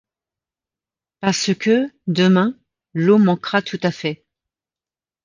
Parce que, demain, l’eau manquera tout à fait.